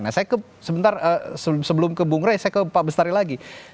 nah saya sebentar sebelum ke bung rey saya ke pak bestari lagi